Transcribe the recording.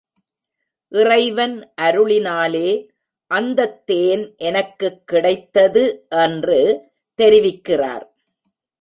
இறைவன் அருளினாலே அந்தத் தேன் எனக்குக் கிடைத்தது என்று தெரிவிக்கிறார்.